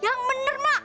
yang bener mak